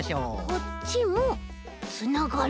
こっちもつながる。